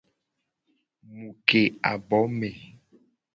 Mu ke abo me.